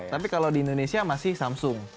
tapi kalau di indonesia masih samsung